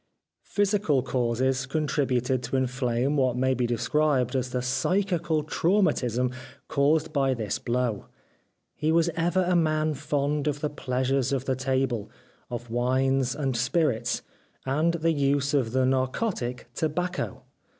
Physical causes contributed to in flame what may be described as the psychical traumatism caused by this blow. He was ever a man fond of the pleasures of the table, of wines and spirits, and the use of the narcotic, tobacco.